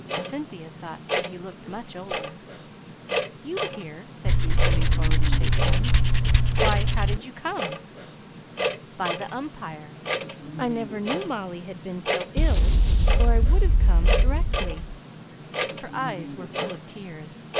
Cynthia thought that he looked much older. "You here!" said he, coming forward to shake hands. "Why, how did you come?" "By the 'Umpire.' I never knew Molly had been so ill, or I would have come directly." Her eyes were full of tears. Mr.